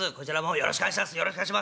よろしくお願いします。